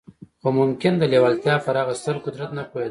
خو ممکن د لېوالتیا پر هغه ستر قدرت نه پوهېده